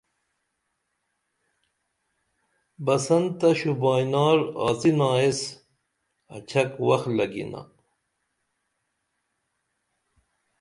بسن تہ شوبائیں نار آڅنہ ایس اڇھک وخ لگِنا